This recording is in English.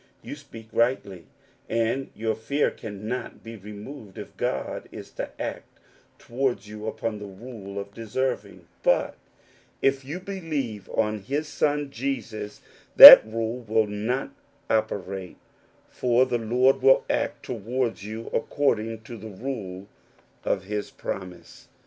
" You speak rightly, and your fear cannot be removed if God is to act towards you upon the rule of deserving. But if 84 According to the Promise. you believe on his Son Jesus, that rule will ^^ operate, for the Lord will act towards you accordi^^ to the rule of his promise.